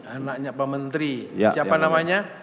anaknya pak menteri siapa namanya